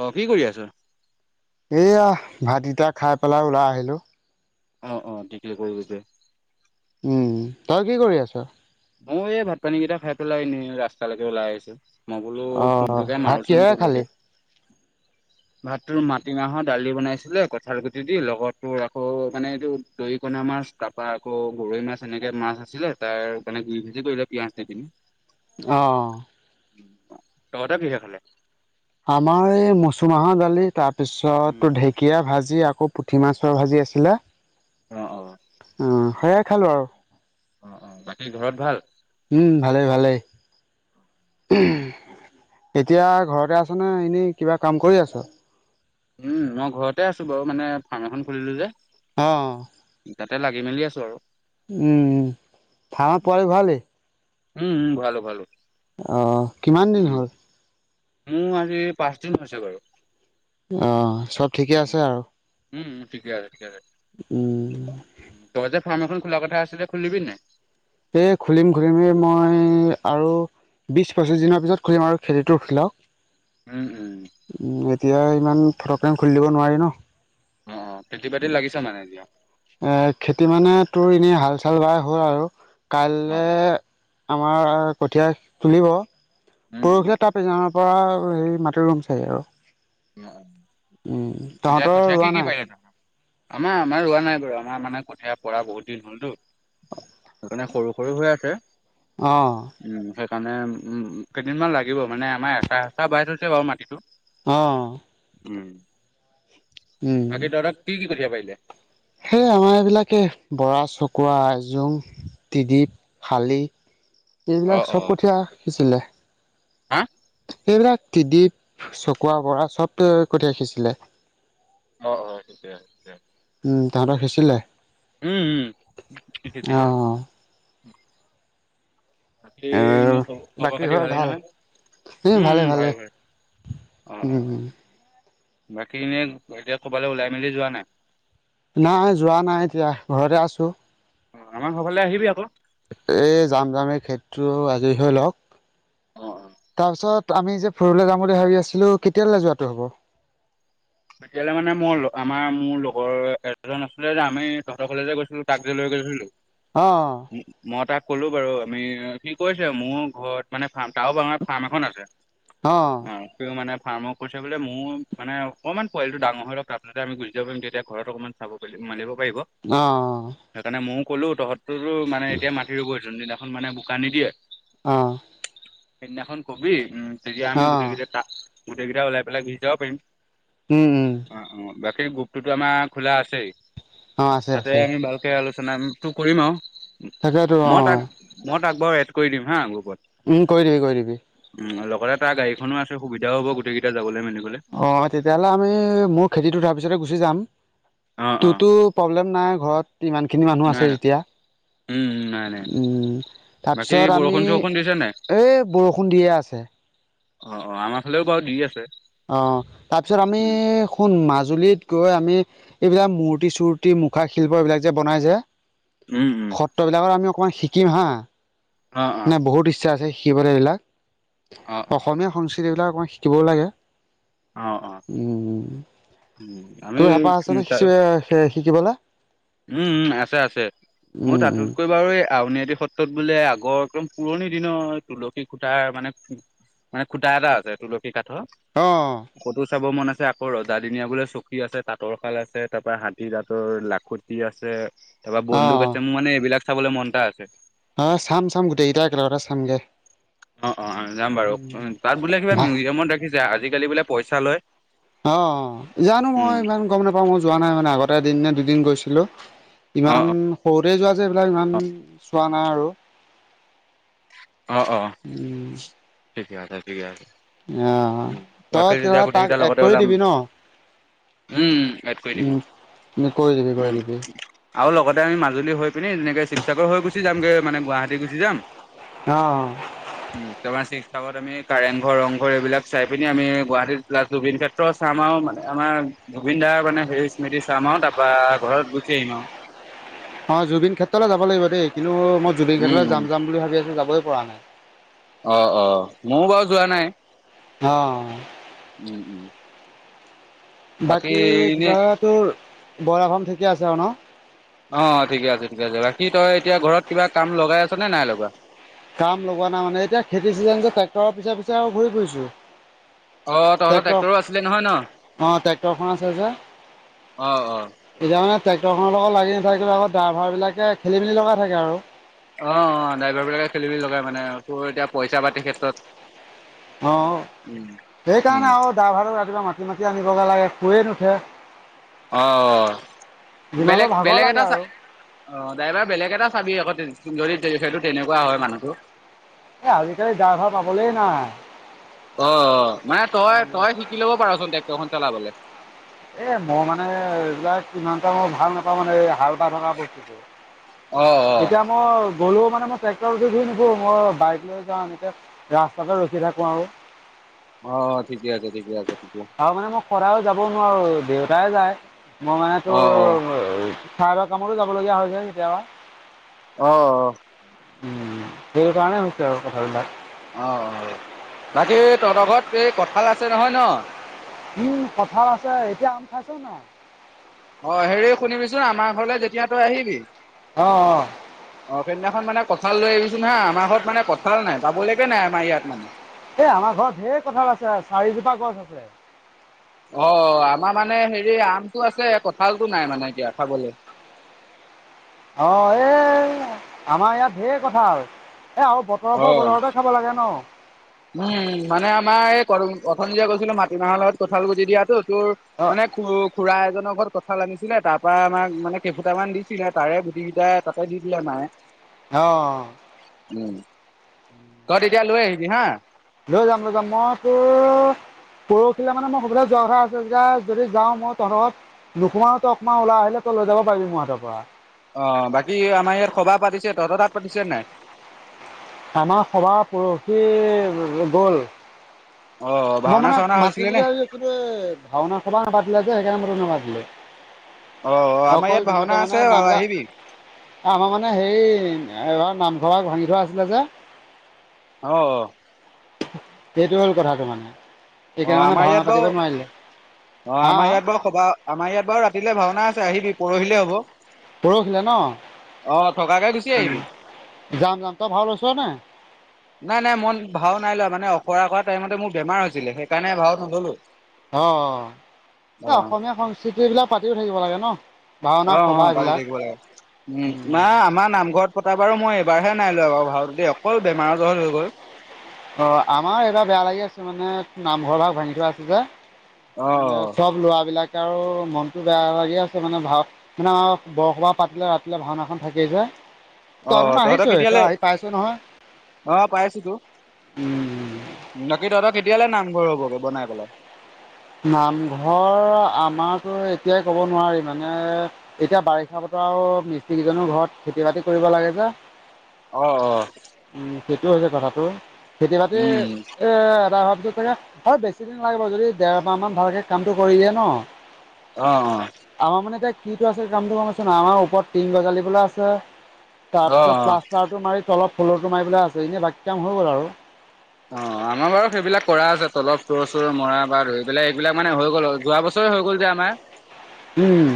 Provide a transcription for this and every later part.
অহ কি কৰি আছ? এয়া ভাত কেইতা খাই পেলাই ওলাই আহিলো। অ-অ থিকে কৰিলে দে। উম, তই কি কৰি আছ? মই এই ভাত পানী কেইটা খাই পেলাই নি ৰাস্তালৈকে ওলাই আহিছো। মই বোলো অ ফোনটোকে ভাত মাৰোচোন কিহেৰে খালি তোলৈকে। [inaudible] ভাত তোৰ মাটিমাহৰ দালি বনাইছিলে কঁঠাল গুটি দি লগতো আকৌ মানে এইটো দৰিকণ মাছ, মাছ তাৰপা আকৌ গৰৈ মাছ এনেকে মাছ আছিলে তাৰ মানে গুএই ভাঁজি কৰিলে পিয়াজ দি পিনে। অহ। তহঁতে বিহে খালে। আমাৰ এই মচুৰমাহৰ দালি তাৰপিছত ঢেঁকীয়া ভাজি আ আকৌ পুঠি মাছৰ ভাজি আছিলা অ', সেয়াই খালোঁ আৰু। অ', অ', বাকী ঘৰত ভাল? উম, ভালে ভালে। এতিয়া ঘৰতে আছ' নে এনেই কিবা কাম কৰি আছ'? উম, মই ঘৰতে আছোঁ বাৰু মানে ফাৰ্ম এখন খুলিলোঁ যে। অ', অ'। তাতে লাগি মেলি আছোঁ আৰু। উম, [unintelligible] পোৱালী ভৰালি উম, ভঁৰালো, ভঁৰালো। অ', কিমান দিন হ'ল? উম, আজি পাঁচদিন হৈছেগৈ। অ', চব ঠিকে আছে আৰু। উম, ঠিকে আছ উম। তই যে ফাৰ্ম এখন খোলা কথা আছিলে খুলিবি নাই? এ, খুলিম, খুলিমেই মই আৰু বিচ, পঁচিশ দিনৰ পিছত খুলিম, আৰু খেতিটোৰ [unintelligible] উম, উম। এতিয়া ইমান ফতককে খুলি দিব নোৱাৰি ন'। অ', অ', খেতি বাতিত লাগিছ মানে এতিয়া? এ, খেতি মানে তোৰ এনেই হাল, চাল বাই হ'ল আৰু। অ', কাইলে অ', আমাৰ কঠীয়া তুলিব, উম, উম, পৰহিলৈ তাৰ পিছ [unintelligible] পৰা হেৰি মাটি ৰুম চাগে আৰু। উম, এতিয়া তহঁতৰ কঠীয়া কি, ৰোৱা কি নাই পাৰিলা? [unintelligible] আমাৰ, আমাৰ ৰোৱা নাই বাৰু, আমাৰ মানে কঠীয়া পৰা বহুত দিন হ'লতো। [unintelligible] সৰু, সৰু হৈ আছে। অ'। [unintelligible] কেইদিনমান লাগিব, মানে আমাৰ এচাহ, এচাহ বাই থৈছে বাৰু মাটিটো। অ'। উম, বাকী তহঁতৰ কি, কি কঠীয়া পাৰিলে? সেইয়া আমাৰ এইবিলাকে বৰা চকুৱ আইজোং টিডিপ শালি। অ', এইবিলাক চব অ', কঠীয়া সিঁচিলে। [unintelligible] সেইবিলাক তিডিপ চকুৱা, বৰা চব কঠীয়া সিঁচিলে। অ', অ', এতিয়া এয়া। উম, তহঁতৰ সিঁচিলে? উম, উম, সিঁচিচিলে। অঁ বাকী অ', [unintelligible] খবৰ বাকী খাতি ঘৰত ভালেই ভাল নহয়? এই উম, ভালে ভালে ভাই, ভাই অ', অ', উম অ'। বাকী এনে এতিয়া ক'ৰবালৈ ওলাই মেলি যোৱা নাই? নাই, যোৱা নাই এতিয়া, ঘৰতে আছোঁ। অ', আমাৰ ঘৰফালে আহিবি আকৌ। এই যাম যাম এই খেতটো আজৰি হৈ লওঁক, অ' তাৰপিছত আমি যে ফুৰিবলৈ যাম বুলি ভাবি আছিলোঁ, কেতিয়ালৈ যোৱাটো হ'ব? এতিয়াললে মানে মই আমাৰ মোৰ লগৰ এটজন আছিলে যে আমি তহঁতৰ কলেজে গৈছিলোঁ তাক যে লৈ গৈছিলোঁ। অ উম, মই তাক ক'লো বাৰু আমি সি কৈছে মোৰ ঘৰত মানে ফাৰ্ম তাৰো বঙাৰ ফাৰ্ম এখন আছে অ', তেওঁ মানে ফাৰ্ম কৰিছে বোলে মোৰ মানে অকণমান পোৱালটো ডাঙৰ হৈ লওক তাৰপিছতে আ গুচি য যাম তেতিয়া ঘৰত অকমান চাবি মানিব। পাৰিব অ সেইকাৰণে ময়ো ক'লো তহঁতোটো মানে এতিয়া মাতি ৰগৈ যোনদিনা। এখন মানে বোকা নিদিয়ে। অ'। সেইদিনাখন ক'বি উম, তেতিয়া আমি অ গোটেই কেইটাই তাত গোটেইকেইটা ওলাই পেলাই গুচি যাব পাৰিম। উম উম অ অ বাকী গ্ৰুপটোতো আমাৰ খোলা আছেই। অ আছে তাতে আছে আমি ভালকে আলোচনাটো কৰিম আৰু তাকেতো অ মই তাক মই তাক বাৰু এড কৰি দিম হা গ্ৰুপত। উম, কৰি দিবি, কৰি দিবি। উম, লগতে তাৰ গাড়ীখনো আছে সুবিধাও হ'ব গোটেইকেইটা যাবলৈ মানে। অ', তেতিয়াহ'লে আমি মোৰ খেতিটোত আহাৰ পিছতে গুচি যাম। অ অ তোৰটো প্ৰব্লেম নাই ঘৰত ইমানখিনি মানুহ নাই আছে নাই যেতিয়া। উম, বাকী তাৰপিছত আমি বৰষুণ চৰষুণ দিছে নাই এই বৰষুণ দিয়ে আছে। অ', অ', আমাৰ ফালেয়ো বাৰু দি আছে। অ', তাৰপিছত আমি উম শুন, মাজ জুলিত গৈ আমি এইবিলাক মূৰ্তি, চূৰ্তি, মুখাশিল্প এইবিলাক যে, বনাই যে উম উম সত্ৰবিলাকৰ আমি অকমান শিকিম হা। অ অ নে, বহুত ইচ্ছা আছে শিকিবলে এইবিলাক। অ অসমীয়া সংস্কৃতিবিলাক অকমান শিকিবয়ো লাগে। অ অ অ উম, উম আমি তোৰ হেঁপাহ উম আছেনে? তাৰ [unintelligible] কি কলা। উম, উম আছে, আছে। মোৰ উম, উম, তাতোতকৈ বাৰু এই আউনী সত্ৰত বোলে আগৰ একদম পুৰণি দিনৰ তুলসী খূটাৰ মানে মানে খুটা এটা আছে, তুলসী কাঠৰ। অ', [unintelligible] চাব মন আছে, আকৌ ৰজাদিনীয়া বোলে চকী আছে, তাঁতৰ শাল আছে, তাৰপা হাতী দাঁতৰ লাখুত আছে তাপা বন্দুক অ', আছে, মোৰ মানে এইবিলাক চাবলৈ মন এটা আছে। অ', চাম, চাম গোটেইকেইটা একেলগতে চামগে। অ', অ', অ', যাম বাৰু, তাত বোলে কিবা ভা মিউজিয়ামত ৰাখিছে আজিকালি বোলে পইচা লয়। অ', জানো, মই উম ইমান গম নাপাওঁ, মই যোৱা নাই মানে আগতে এদিন নে, দুদিন গৈছিলোঁ। অ ইমান সৰুতে যোৱা যে, এইবিলাক ইমান চোৱা নাই আৰু। অ অ ঠিকে আছে ঠিকে আছে আহ উ তই বাকী যেতিয়া তেৰা গোটেই তাক কেইটা এড লগতে কৰি ওলাম দিবি ন উম এড কৰি দিম উম কৰি দিবি কৰি উম। দিবি আৰু লগতে আমি মাজুলী হৈ পিনি যেনেকে শিৱসাগৰ হৈ গুচি যামগে মানে গুৱাহাটী গুচি যাম। অ উ তোমাৰ [unintelligible] আমি কাৰেংঘৰ ৰংঘৰ এইবিলাক চাই পিনি আমি গুৱাহাটীত প্লাছ জুবিন ক্ষেত্ৰ চাম আৰু মানে আমাৰ জুবিন দাৰ মানে হেৰি স্মৃতি চাম। অ' তাৰপৰা ঘৰত গুচি আহিম আৰু। অ' জুবিন ক্ষেত্ৰলৈ যাব লাগিব দেই কিন্তু মই জুবিন ক্ষেত্ৰলৈ উম, যাম-যাম বুলি ভাবি আছো যাবই পৰা নাই। অ', অ', ময়ো বাৰু যোৱা নাই। [unintelligible] উম, উম। বাকী [unintelligible] বইলাৰ ফাৰ্ম ঠিকে আছে আৰু ন? অ', ঠিকে আছে, ঠিকে আছে বাকী তই এতিয়া ঘৰত কিবা কাম লগাই আছ নে নাই লগোৱা? কাম লগোৱা নাই, মানে এতিয়া খেতি চিজন যে, ট্ৰেক্টৰৰ পিছে, পিছে আৰু ঘূৰি ফুৰিছোঁ। অ' তহঁতৰ ট্ৰেক্টৰো আছিলে নহয় ন। অ', ট্ৰেক্টৰখন আছে যে অ'। এতিয়া মানে ট্ৰেক্টৰখনৰ লগত লাগি নাথাকিলে আকৌ ড্ৰাইভাৰ বিলাকে খেলি মেলি লগাই থাকে আৰু। অ'- অ' ড্ৰাইভাৰ বিলাকে খেলিমেলি লগাই মানে তোৰ এতিয়া পইচা পাতিৰ ক্ষেত্ৰত। অ', উম, উম, সেইকাৰণে আৰু ড্ৰাইভাৰটোক ৰাতিপুৱা মা মাতি- মাতি আনিবগে লাগে শুইয়েই নুঠে। অ'। যিমানবোৰ বেলেগ- ভাগৰ বেলেগ লাগে এটা চা আৰু অ' ড্ৰাইভাৰ বেলেগ এটা চাবি আকৌ তে [unintelligible] সেইটো তেনেকুৱা হয়, মানুহটো এ আজিকালি ড্ৰাইভাৰ পাবলেই নাই। অ', মানে তই, তই শিকি ল'ব পাৰচোন, ট্ৰেক্টৰখন চলাবলে। এ মই মানে এইবিলাক ইমানটা মই ভাল নাপাওঁ মানে এই হাল [unintelligible] অ অ এতিয়া মই গ'লেও মানে মই ট্ৰেক্টৰ উঠি গুৰি নুফুৰো মই বাইক লৈ যাওঁ এনেকৈ ৰাস্তাতে ৰখি থাকোঁ আৰু। [inaudible] অ' ঠিকে আছে-ঠিকে আছে। ঠিকে আৰু মানে মই সদাইও যাব নোৱাৰো দেউতাই যায় মই মানে অ তোৰ [unintelligible] অ কামটো যাবলগীয়া হয় যে কেতিয়াবা। অ', অ'। উম, সেই কাৰণে হৈছে আৰু কথাবিলাক। অ', বাকী তহঁতৰ ঘৰত এই কঁঠাল আছে নহয় ন? উম, কঠাল আছে এতিয়া আম খাইছ নাই। অ' হেৰি শুনিবিচোন আমাৰ ঘৰলৈ যেতিয়া তই আহিবি অঁ অঁ অ', সেইদিনাখন মানে কঁঠাল লৈ আহিবিচোন হা, আমাৰ ঘৰত মানে কঁঠাল নাই, পাবলৈকে নাই আমাৰ ইয়াত মানে। এ আমাৰ ঘৰত ধেৰ কঠাল আছে চাৰিজোপা গছ আছে। অ', আমাৰ মানে হেৰি আমটো আছে, কঁঠালটো নাই মানে এতিয়া খাবলে। অ' এই আমাৰ ইয়াত ধেৰ কঠাল। এ আৰু বতৰৰ ফল অ বতৰতে খাব লাগে ন। উম, মানে আমাৰ এই অথনি যে কৈছিলোঁ মাটিমাহৰ লগত কঁঠাল গুটি দিয়াতো। তোৰ অঁ মানে খু-খুৰা এজন ঘৰত কঁঠাল আনিছিলে তাৰ পৰা আমাক মানে কেইফুতামান দিছিলে তাৰে গুটি কেইটা তাতে দি দিলে মায়ে। অ'। উম, তই তেতিয়া লৈ আহিবি হা। লৈ যাম, লৈ যাম মই তোৰ পৰহিলে মানে মোৰ সৌফালে যোৱা কথা আছে যে, যদি যাওঁ মই তহঁতৰ ঘৰত নোসোমাওঁ তই অকণমাণ উলাই আহিলেই লৈ যাব পাৰিবি মোৰ হাতৰ পৰা। অ', বাকী আমাৰ ইয়াত সবাহ পাতিছে, তহঁতৰ তাত পাতিছেনে নাই? আমাৰ সবাহ পৰহি গ'ল। অ', মই ভাওনা মানে চাওনা মাতিম হৈছিলে বুলি নে? ভাবিছিলোঁ, কিন্তু এই ভাওঁনা, সবাহ নেপাতিলে যে, সেইকাৰণে মই তোক নামাতিলোঁ। অ', অ আমাৰ অকল ইয়াত দিনতে ভাওনা মানে আছে নাম বাৰু গায়, আহিবি আমাৰ মানে হেই এবাৰ নামঘৰ ভাগ ভাঙি থোৱা আছিলে যে অ', অ'। সেইটো হ'ল কথাটো মানে। অ', সেইকাৰণে মানে আমাৰ ভাওনা ইয়াত বাৰু, পাতিব নোৱাৰিলে অ', হা আমাৰ ইয়াত বাৰু সবাহ আমাৰ ইয়াত বাৰু ৰাতিলে ভাওঁনা আ আহিবি, পৰহিলে হ'ব। পৰহিলে ন? অ', থকাকে গুচি আহিবি। উম, যাম, যাম। তই ভাওঁ লৈছনে নাই? নাই, নাই মই ভাওঁ নাই লোৱা, মানে অখৰা কৰা টাইমতে মোৰ বেমাৰ হৈছিলে, সেইকাৰণে ভাওঁ নললোঁ। অ', এই অসমীয়া সংস্কৃতি বিলাক পাতিয়ো থাকিব লাগে ন? ভাওনা অ', সবাহ অ', পাতি এইবিলাক থাকিব লাগে, উম, মা আমাৰ নামঘৰত [unintelligible] বাৰু মই এবাৰহে নাই লোৱা বাৰু ভাওঁ দেই, অকল বেমাৰৰ জৰ হৈ গ'ল। অ', আমাৰ এইবাৰ বেয়া লাগি আছে মানে নামঘৰ ভাগ ভাঙি থোৱা আছে যে। অ এ, চব ল'ৰাবিলাক কে আৰু মনটো বেয়া লাগি আছে, মানে ভাওঁ-মানে বৰসবাহ পাতিলে ৰাতিলে ভাওঁনাখন থাকেই যে। তই দেখোন অ', তহঁতক আহিছই তই কেতিয়ালে, আহি পাইছই নহয় অ', পাইছোঁতো। উম বাকী তহঁতৰ তেতিয়ালে নামঘৰ হ'বগৈ বনাই পেলাই? নামঘৰ আমাৰতো এতিয়াই ক'ব নোৱাৰি মানে এতিয়া বাৰিষা বতৰ আৰু মিস্ত্ৰী কেইজনৰ ঘৰত খেতি-বাতি কৰিব লাগে যে অ, অ, উম সেইটো হৈছে কথাটো খেতি বাতি উম এ এটা হ হয় বেছি দিন লাগিব যদি দেৰমাহ মান ভালকে কামটো কৰি দিয়ে ন আহ, অ, আমাৰ মানে এতিয়া কিটো আছে কামটো কম আছে ন আমাৰ ওপৰত টিন গজালি বোলো আছে। অ তাৰপিছত অ। প্লাষ্টাৰটো মাৰি অলপ ফুলৰটো মাৰিবলৈ আছে এনে বাক কাম হৈ গ'ল আৰু অ আমাৰ বাৰু সেইবিলাক কৰা আছে তলপ চোৰ চোৰ মৰা বা ধৰি পেলাই এইবিলাক মানে হৈ গ'ল যোৱা বছৰ। হৈ গল দে আমাৰ উম।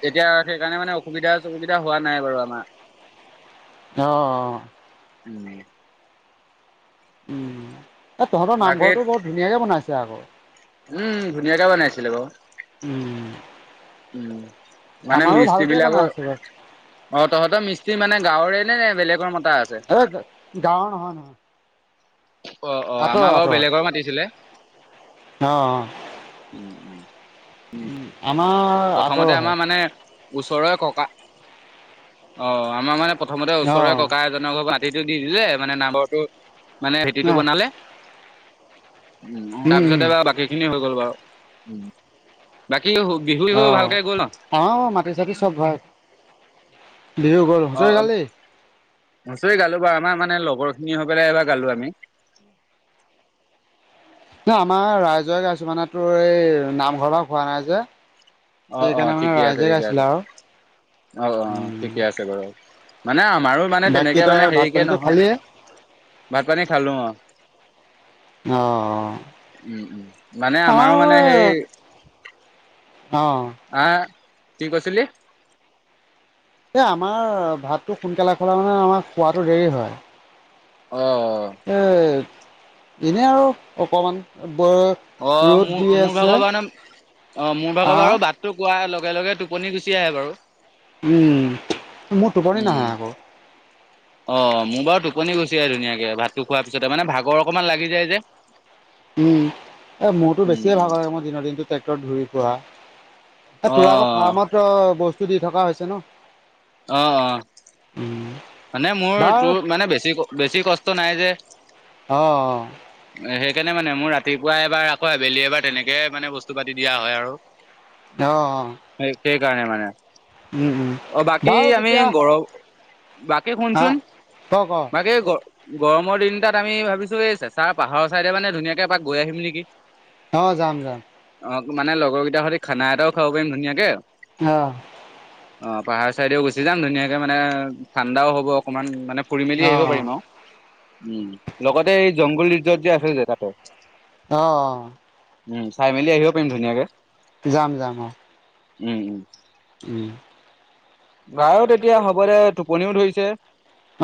তেতিয়া সেইকাৰণে মানে অসুবিধা চসুবিধা হোৱা নাই বাৰু আমাৰ আহ, উম। উম এ তহঁতৰ বাকী নামঘৰটো বহুত ধুনীয়াকে বনাইছে আকৌ উম ধুনীয়াকে বনাইছিলে বাৰু উম, উম মানে আমাৰো মিস্ত্ৰী ভালকে বনাই বিলাকৰ আছে বাৰু। অ তহঁতৰ মস্ত্ৰী মানে গাঁৱৰে নে নে বেলেগ এ গাৱঁৰ নহয় নহয় অ অ আঁতৰৰ আমাৰ বাৰু আঁতৰৰ বেলেগৰ মাতিছিলে অ উম উম উ আমাৰ প্ৰথমতে আঁতৰহে আমাৰ মানে ওচৰৰে ককা অ আমাৰ মানে প্ৰথমতে ওচৰৰেৰে অ', ককা এজনৰ ঘ খেতিটো দি দিলে মানে নাম্বৰটো মানে খেতিটো উম, বনালে উ উম। তাৰপিছতে বাৰু বাকী খিনি হৈ গ'ল বাৰু বাকী বিহু আহ ভালকে গ'ল ন অ মাটি ছাতি চব হয় বিহু গল হুচৰি গালি নচৰি গালো বাৰু আমাৰ মানে লগৰ খিনি হৈ পেলাই এবাৰ গালো আমি উ ন আমাৰ ৰাইজৰে গাইছো মানে তোৰ এই নামঘৰ [unintelligible] হোৱা নাই যে অ অ সেইকাৰণে মানে ঠিকে আছে ৰাইজে ঠিকে আছে গাইছিলে আৰু অ অ উম ঠিকে আছে বাৰু মানে আমাৰো মানে বাকী তেনেকে তই মানে ভাত হেৰিকে পানীটো নহয় খালিয়ে ভাত পানী খালো অ অ' উম উম মানে আমাৰো মানে সেই অ আহ কি কৈছিলি এ আমাৰ ভাতটো সোনকালে খালা মানে আমাৰ খোৱাটো দেৰি হয় অ এ এনে আৰু অকমান অ ৰ'দ মোৰ দি মোৰ আছে ভাগৰ মানে অ মোৰ ভাগৰ আহ বাৰো বাট টো কোৱাই লগে লগে টোপনি গুচি আহে বাৰু। উম মোৰ টোপনি নাহে আকৌ। অহ মোৰ বাৰু টোপনি গুচি আহে ধুনীয়াকে ভাতটো খোৱাৰ পিছতে মানে ভাগৰ অকমান লাগি যায় যে। উম এ মোৰতো উম বেছিয়ে উম ভাগ লাগে মই দিনৰ দিনটো ট্ৰেক্টৰত ঘূৰি। এ অ তোৰ আকৌ ফাৰ্মত বস্তু দি থকা হৈছে ন। অহ অহ। উম। মানে মোৰ বাৰু তোৰ মানে বেছি বেছি কষ্ট নাই যে অ', মানে। সেইকাৰণে মানে মোৰ ৰাতিপুৱা এবাৰ আকৌ আবেলি এবাৰ তেনেকে মানে বস্তু পাতি দিয়া হয় আৰু। অহ অহ। সেই সেইকাৰণে মানে অ বাকী বাৰু আমি তেতিয়া গৰম। বাকী আহ শুনচোন ক ক বাকী গ। গৰমৰ দিন এটাত আমি ভাবিছোঁ এই চেঁচা পাহাৰৰ চাইডে মানে ধুনীয়াকে এপাক গৈ আহিম নেকি। অহ যাম যাম। অহ মানে লগৰকেইটাৰ সৈতে খানা এটাও খাব পাৰিম ধুনীয়াকে। অহ। অহ পাহাৰ চাইডেও গুচি যাম ধুনীয়াকে মানে ঠাণ্ডাও হ'ব অকনমান মানে। ফুৰি মেলি আহিব অ', পাৰিম আও উম লগতে এই জংঘল ৰিজৰ্ট যে আছে যে তাতে। অহ। উম চাই মেলি আহিব পাৰিম ধুনীয়াকে। যাম যাম অহ। উম উম। উম। যাওঁ তেতিয়া হ'ব দে টোপনিও ধৰিছে।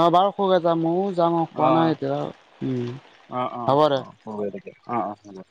অ বাৰু খু যাম ময়ও যাম অ খোৱা নাই এতিয়া উ অ অ হ'ব দে হ'ব অ অ অ